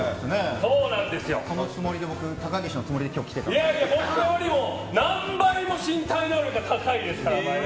そのつもりで、高岸のつもりで僕よりも何倍も身体能力が高いですから。